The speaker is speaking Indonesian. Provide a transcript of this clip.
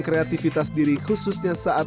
kreativitas diri khususnya saat